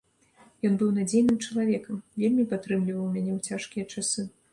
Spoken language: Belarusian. Ён быў надзейным чалавекам, вельмі падтрымліваў мяне ў цяжкія часы.